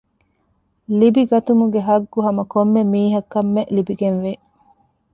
ލިބިގަތުމުގެ ޙައްޤު ހަމަ ކޮންމެ މީހަކަށްމެ ލިބިގެންވޭ